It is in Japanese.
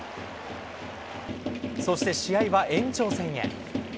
そして試合は延長戦へ。